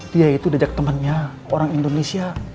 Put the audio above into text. dia itu dejak temannya orang indonesia